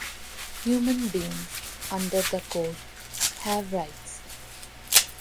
Human beings, under the Code, have rights.